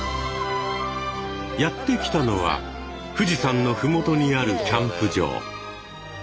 やって来たのは富士山の麓にあるキャンプ場。